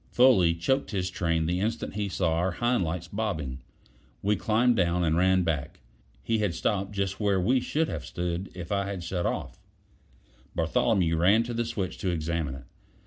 Foley choked his train the instant he saw our hind lights bobbing. We climbed down, and ran back. He had stopped just where we should have stood if I had shut off. Bartholomew ran to the switch to examine it.